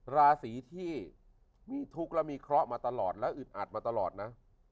ราศีที่มีทุกข์และมีเคราะห์มาตลอดและอึดอัดมาตลอดนะ